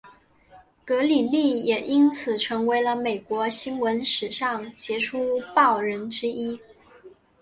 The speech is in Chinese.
格里利也因此成为了美国新闻史上杰出报人之一。